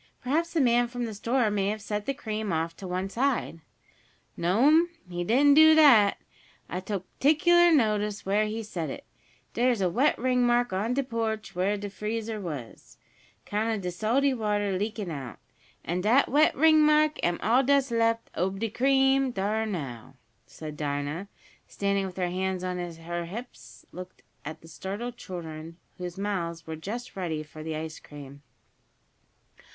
Perhaps the man from the store may have set the cream off to one side." "No'm, he didn't do dat. I took p'ticlar notice where he set it. Dere's a wet ringmark on de porch where de freezer was, 'count of de salty water leakin' out. An' dat wet ringmark am all dat's left ob de cream, dar now!" and Dinah, standing with her hands on her hips, looked at the startled children, whose mouths were just ready for the ice cream.